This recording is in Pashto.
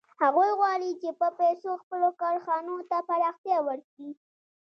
هغوی غواړي چې په پیسو خپلو کارخانو ته پراختیا ورکړي